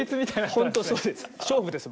本当そうです。